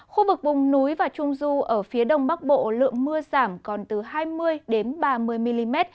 khu vực vùng núi và trung du ở phía đông bắc bộ lượng mưa giảm còn từ hai mươi ba mươi mm